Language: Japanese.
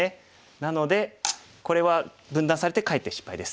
なのでこれは分断されてかえって失敗です。